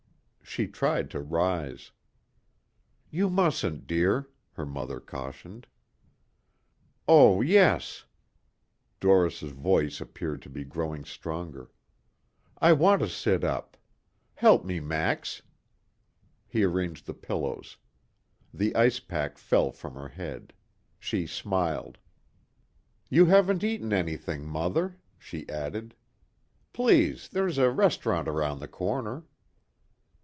She tried to rise. "You mustn't dear," her mother cautioned. "Oh yes," Doris voice appeared to be growing stronger. "I want to sit up. Help me, Max." He arranged the pillows. The ice pack fell from her head. She smiled. "You haven't eaten anything, mother," she added. "Please, there's a restaurant around the corner."